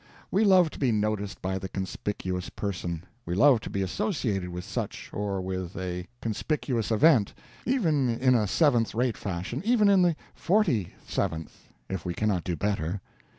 We love to be noticed by the conspicuous person; we love to be associated with such, or with a conspicuous event, even in a seventh rate fashion, even in the forty seventh, if we cannot do better.